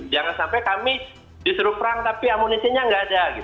jangan sampai kami justru perang tapi amunisinya nggak ada